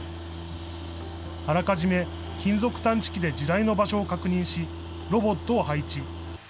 あらかじめ、金属探知機で地雷の場所を確認し、ロボットを配置。